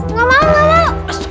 nggak mau nggak mau